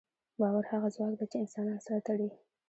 باور هغه ځواک دی، چې انسانان سره تړي.